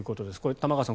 玉川さん